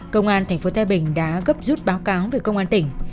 công an thành phố thái bình đã gấp rút báo cáo về công an tỉnh